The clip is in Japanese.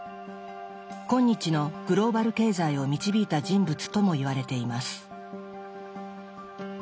今日のグローバル経済を導いた人物とも言われています。